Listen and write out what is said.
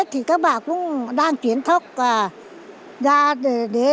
thời gian qua tỉnh điện biên